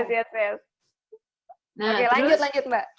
oke lanjut lanjut mbak